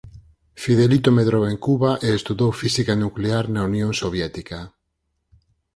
Fidelito medrou en Cuba e estudou física nuclear na Unión Soviética.